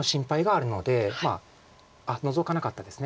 まああっノゾかなかったです。